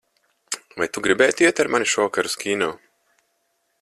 Vai tu gribētu iet ar mani šovakar uz kino?